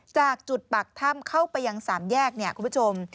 จากจุดปากถ้ำเข้าไปอย่าง๓แยกคุณผู้ชม